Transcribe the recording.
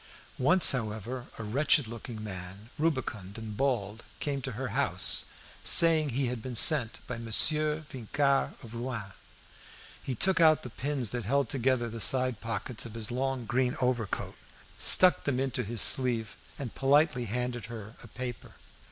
Once, however, a wretched looking man, rubicund and bald, came to her house, saying he had been sent by Monsieur Vincart of Rouen. He took out the pins that held together the side pockets of his long green overcoat, stuck them into his sleeve, and politely handed her a paper.